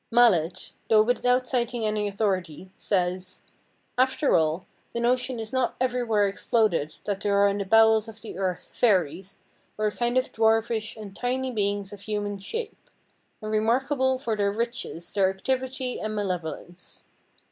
Mallet, though without citing any authority, says, "after all, the notion is not everywhere exploded that there are in the bowels of the earth, fairies, or a kind of dwarfish and tiny beings of human shape, and remarkable for their riches, their activity, and malevolence.